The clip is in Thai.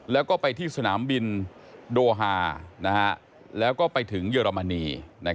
แล้วก็ไปที่สนามบินโดฮาแล้วก็ไปถึงเยอรมนี